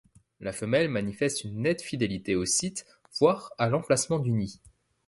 La femelle manifeste une nette fidélité au site voire à l’emplacement du nid.